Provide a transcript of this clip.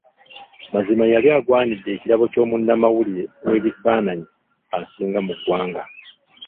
Mazima yali agwanidde ekirabo ky'omunnamawulire w'ebifaananyi asinga mu ggwanga.